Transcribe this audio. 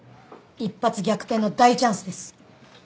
一発逆転の大チャンスです！